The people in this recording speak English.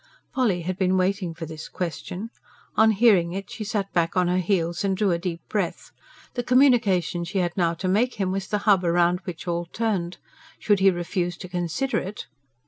Polly had been waiting for this question. On hearing it, she sat back on her heels and drew a deep breath. The communication she had now to make him was the hub round which all turned. Should he refuse to consider it....